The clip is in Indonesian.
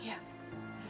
hanya ya ke europuh